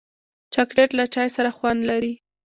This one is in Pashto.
چاکلېټ له چای سره خوند لري.